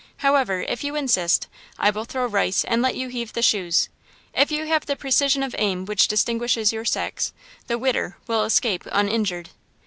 However, if you insist, I will throw the rice and let you heave the shoes. If you have the precision of aim which distinguishes your sex, the 'Widder' will escape uninjured."